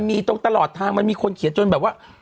มีตรงตลอดทางมันมีคนเขียนจนแบบว่า